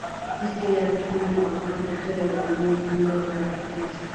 Este artículo incorpora texto de dominio público de la referencia